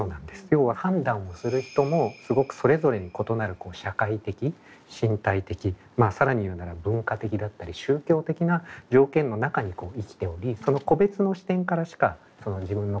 要は判断する人もすごくそれぞれに異なる社会的身体的更に言うなら文化的だったり宗教的な条件の中に生きておりその個別の視点からしか自分の行動というものを考えられない。